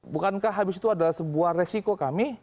bukankah habis itu adalah sebuah resiko kami